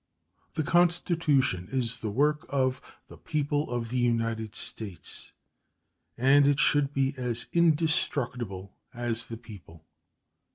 The Constitution is the work of "the people of the United States," and it should be as indestructible as the people.